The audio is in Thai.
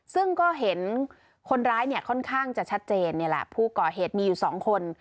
ซึ่งก็เห็นคนร้ายเนี่ยค่อนข้างจะชัดเจนนี่แหละผู้ก่อเหตุมีอยู่สองคน